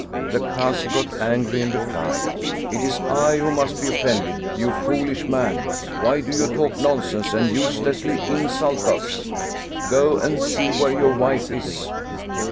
The Kazi got angry and replied: " It is I who must be offended, you foolish man; why do you talk nonsense and uselessly insult us? Go and see where your wife is!"